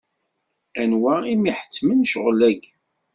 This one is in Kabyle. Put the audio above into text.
Anwa i m-iḥettmen ccɣel-agi?